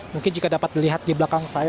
mungkin jika dapat dilihat di belakang saya